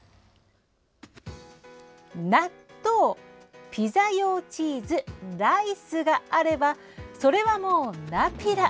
納豆、ピザ用チーズライスがあればそれはもう、ナピラ！